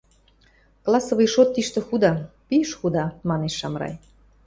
— Классовый шот тиштӹ худа, пиш худа, — манеш Шамрай